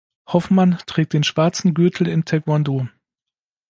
Hoffman trägt den schwarzen Gürtel im Tae-Kwon-Do.